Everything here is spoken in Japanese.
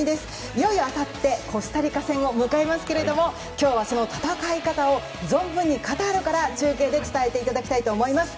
いよいよあさってコスタリカ戦を迎えますけれども今日はその戦い方を存分にカタールから中継で伝えていただきたいと思います。